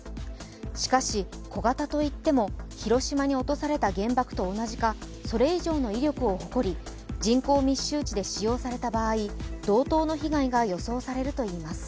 しかし、小型といっても広島に落とされた原爆と同じかそれ以上の威力を誇り人口密集地で使用された場合、同等の被害が予想されるといいます。